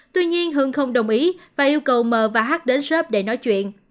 tuy nhiên hường không đồng ý và yêu cầu m và h đến sớp để nói chuyện